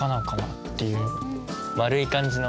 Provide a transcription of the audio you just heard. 丸い感じの。